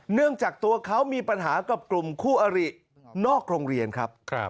เนื่องจากตัวเขามีปัญหากับกลุ่มคู่อรินอกโรงเรียนครับ